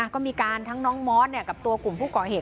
ก็มีการทั้งน้องมอสกับตัวกลุ่มผู้ก่อเหตุ